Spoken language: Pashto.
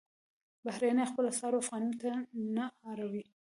بهرنیان خپل اسعار افغانیو ته نه اړوي.